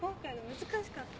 難しかった。